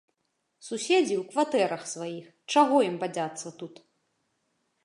Суседзі ў кватэрах сваіх, чаго ім бадзяцца тут.